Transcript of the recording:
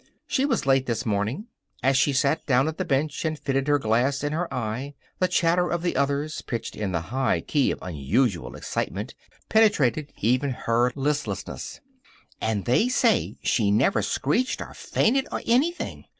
She was late this morning. As she sat down at the bench and fitted her glass in her eye, the chatter of the others, pitched in the high key of unusual excitement, penetrated even her listlessness. "And they say she never screeched or fainted or anything.